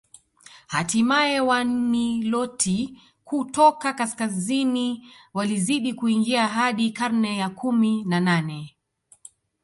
Hatimae Waniloti kutoka kaskazini walizidi kuingia hadi karne ya kumi na nane